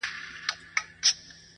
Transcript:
راته ايښي يې گولۍ دي انسانانو٫